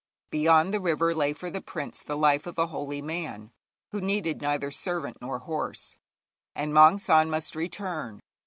Beyond the river lay for the prince the life of a holy man, who needed neither servant nor horse, and Maung San must return.